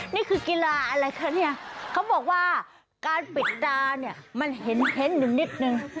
นี่คือกีฬาอะไรคะเนี่ยเขาบอกว่าการปิดตาเนี่ยมันเห็นนิดนึง